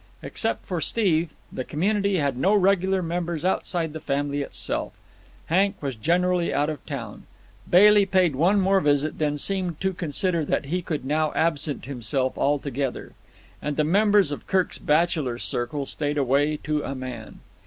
Except for Steve, the community had no regular members outside the family itself. Hank was generally out of town. Bailey paid one more visit, then seemed to consider that he could now absent himself altogether. And the members of Kirk's bachelor circle stayed away to a man.